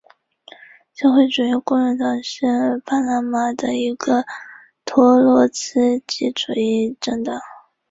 社会主义工人党是巴拿马的一个托洛茨基主义政党。